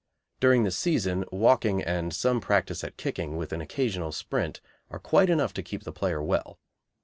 During the season walking and some practice at kicking, with an occasional sprint, are quite enough to keep the player well.